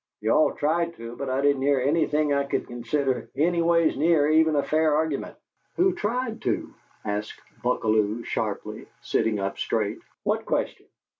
You all tried to, but I didn't hear anything I could consider anyways near even a fair argument." "Who tried to?" asked Buckalew, sharply, sitting up straight. "What question?"